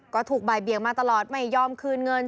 ก็ถูกบ่ายเบียงมาตลอดไม่ยอมคืนเงิน